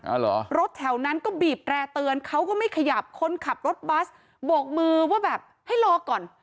เหรอรถแถวนั้นก็บีบแร่เตือนเขาก็ไม่ขยับคนขับรถบัสโบกมือว่าแบบให้รอก่อน